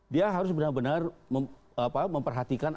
dia harus benar benar memperhatikan